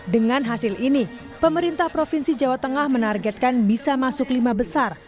dengan hasil ini pemerintah provinsi jawa tengah menargetkan bisa masuk lima besar